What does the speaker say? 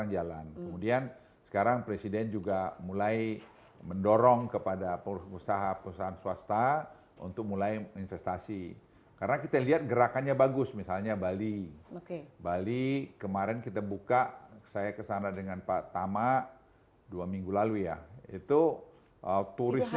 jalan sudah selesai sudah berputar